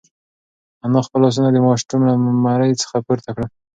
انا خپل لاسونه د ماشوم له مرۍ څخه پورته کړل.